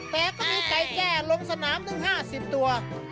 แต่ก็มีไก่แจ้ลงสนามถึง๕๐ตัว